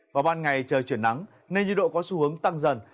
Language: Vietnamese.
vào ban ngày trời chuyển nắng nên nhiệt độ có xu hướng tăng dần